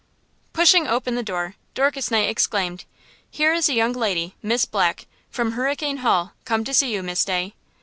PUSHING open the door, Dorcas Knight exclaimed: "Here is a young lady, Miss Black, from Hurricane Hall, come to see you, Miss Day."